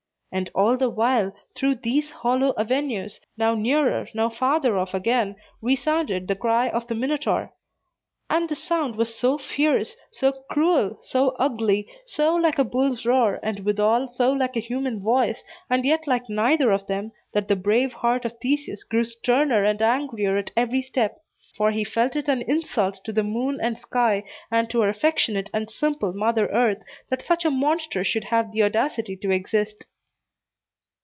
And all the while, through these hollow avenues, now nearer, now farther off again, resounded the cry of the Minotaur; and the sound was so fierce, so cruel, so ugly, so like a bull's roar, and withal so like a human voice, and yet like neither of them, that the brave heart of Theseus grew sterner and angrier at every step; for he felt it an insult to the moon and sky, and to our affectionate and simple Mother Earth, that such a monster should have the audacity to exist.